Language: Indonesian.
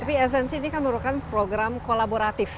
tapi esensi ini kan merupakan program kolaboratif